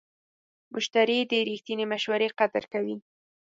مشتری د رښتینې مشورې قدر کوي.